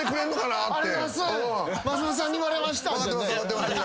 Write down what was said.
「松本さんに言われました！」